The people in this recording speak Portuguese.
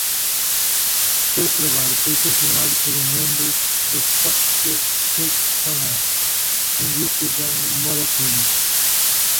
Seu trabalho foi continuado por um membro da Softcatalà, linguista Joan Moratinos.